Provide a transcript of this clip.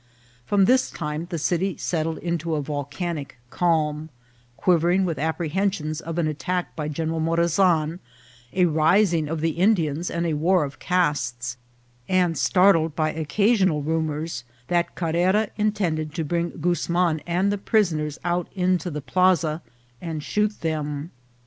From this time the city settled into a volcanic calm, quivering with apprehensions of an attack by General Morazan, a rising of the Indians and a war of castes, and startled by occasional rumours that Carrera intend ed to bring Guzman and the prisoners out into the plaza and shoot them.